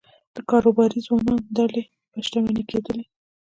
د کاروباري ځوانانو ډلې به شتمن کېدلې